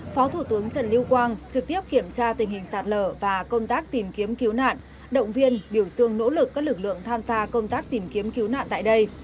phó thủ tướng trần lưu quang trực tiếp kiểm tra tình hình sạt lở và công tác tìm kiếm cứu nạn động viên biểu dương nỗ lực các lực lượng tham gia công tác tìm kiếm cứu nạn tại đây